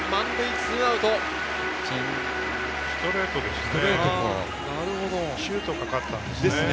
ストレートですね。